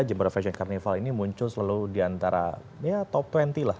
jember fashion carnival ini muncul selalu diantara ya top dua puluh lah